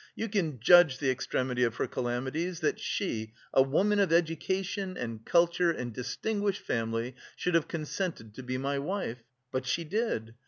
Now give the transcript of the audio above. You can judge the extremity of her calamities, that she, a woman of education and culture and distinguished family, should have consented to be my wife. But she did!